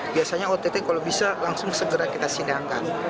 biasanya ott kalau bisa langsung segera kita sidangkan